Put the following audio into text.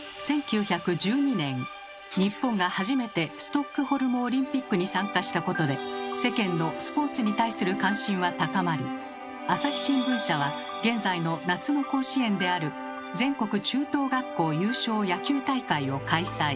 日本が初めてストックホルムオリンピックに参加したことで世間のスポーツに対する関心は高まり朝日新聞社は現在の夏の甲子園である「全国中等学校優勝野球大会」を開催。